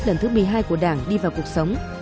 lần thứ một mươi hai của đảng đi vào cuộc sống